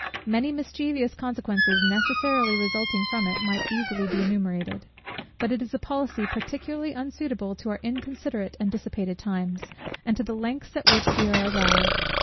Many mischievous consequences necessarily resulting from it might easily be enumerated. But it is a policy particularly unsuitable to our inconsiderate and dissipated times, and to the lengths at which we are arrived.